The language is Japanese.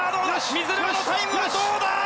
水沼のタイムはどうだ？